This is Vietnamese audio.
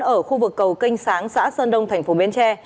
ở khu vực cầu kênh sáng xã sơn đông tp bến tre